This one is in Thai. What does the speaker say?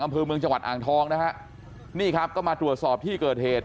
อำเภอเมืองจังหวัดอ่างทองนะฮะนี่ครับก็มาตรวจสอบที่เกิดเหตุ